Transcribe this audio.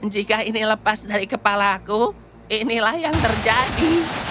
jika ini lepas dari kepala aku inilah yang terjadi